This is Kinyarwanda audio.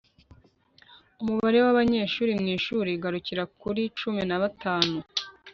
umubare wabanyeshuri mwishuri ugarukira kuri cumi na batanu